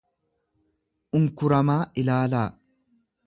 unkuramaa ilaalaa.